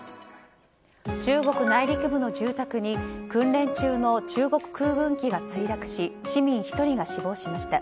中国内陸部の住宅に訓練中の中国空軍機が墜落し市民１人が死亡しました。